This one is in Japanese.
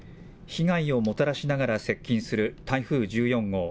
被害をもたらしながら接近する台風１４号。